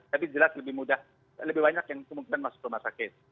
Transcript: tapi jelas lebih mudah lebih banyak yang kemungkinan masuk rumah sakit